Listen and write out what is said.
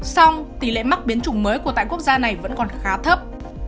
song tỷ lệ mắc biến chủng mới của tại quốc gia này vẫn còn khá thấp